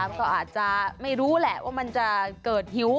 ก็อาจจะไม่รู้แหละว่ามันจะเกิดหิว